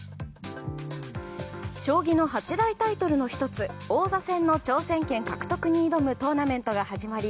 将棋の八大タイトルの１つ王座戦の挑戦権獲得に挑むトーナメントが始まり